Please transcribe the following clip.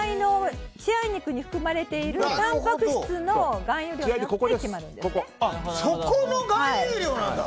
血合い肉に含まれているたんぱく質の含有量によって決まるんです。